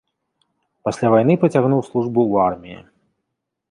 Пасля вайны працягнуў службу ў арміі.